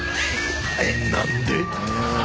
何で？